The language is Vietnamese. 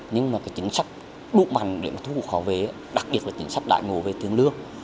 nhưng mà cái chính sách đút bằng để thu hút khó về đặc biệt là chính sách đại ngộ về tiền lương